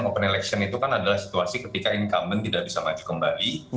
open election itu kan adalah situasi ketika incumbent tidak bisa maju kembali